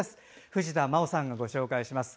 藤田真央さんがご紹介します。